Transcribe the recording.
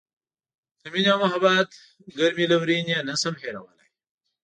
د مینې او محبت ګرمې لورینې یې نه شم هیرولای.